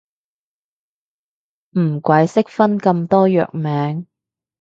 唔鬼識分咁多藥名